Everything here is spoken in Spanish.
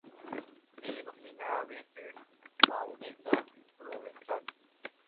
Se denomina a veces mahonesa provenzal.